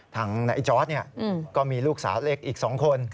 ทั้งไนท์จอร์สเนี่ยก็มีลูกสาวเล็กอีกสองคน